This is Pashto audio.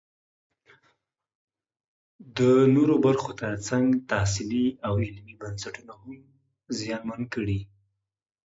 د نورو برخو ترڅنګ تحصیلي او علمي بنسټونه هم زیانمن کړي